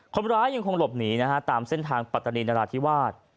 คนบร้ายยังคงหลบหนีตามเส้นทางปัตตานีนราธิวาส